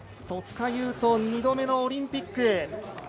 戸塚優斗、２度目のオリンピック。